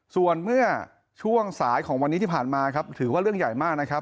ส่วนเมื่อช่วงสายของวันนี้ที่ผ่านมาครับถือว่าเรื่องใหญ่มากนะครับ